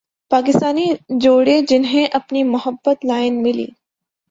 پاکستانی جوڑے جنھیں اپنی محبت لائن ملی